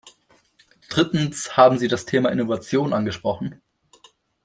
Drittens haben Sie das Thema Innovation angesprochen.